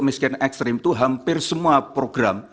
miskin ekstrim itu hampir semua program